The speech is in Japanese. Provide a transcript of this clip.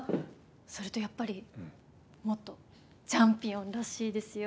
それとやっぱり元チャンピオンらしいですよ。